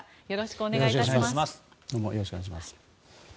よろしくお願いします。